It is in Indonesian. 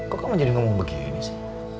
kok kamu jadi ngomong begini sih